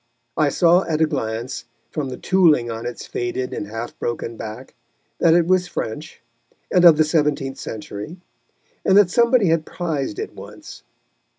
I saw at a glance, from the tooling on its faded and half broken back, that it was French and of the seventeenth century, and that somebody had prized it once.